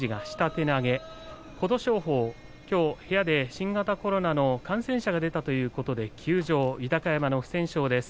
琴勝峰、きょう部屋で新型コロナの感染者が出たということで休場です。